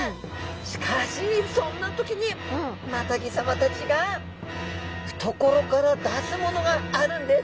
しかしそんな時にマタギさまたちが懐から出すものがあるんです。